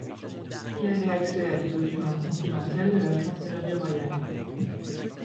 Il avait accès à des documents confidentiels de la chancellerie royale.